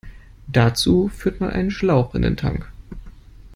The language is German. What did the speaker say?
Dazu führt man einen Schlauch in den Tank.